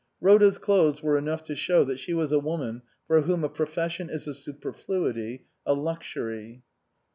Rhoda's clothes were enough to show that she was a woman for whom a profession is a superfluity, a luxury.